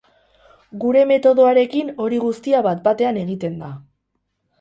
Gure metodoarekin hori guztia bat-batean egiten da.